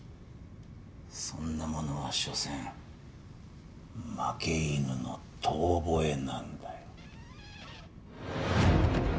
そんなものはしょせん負け犬の遠ぼえなんだよ。